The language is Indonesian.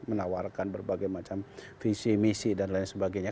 menawarkan berbagai macam visi misi dan lain sebagainya